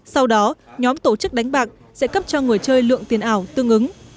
sau đó nhóm tổ chức đánh bạc sẽ cấp cho người chơi lượng tiền ảo tương ứng